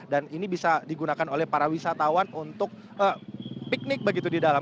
dan ini bisa digunakan oleh para wisatawan untuk piknik begitu di dalam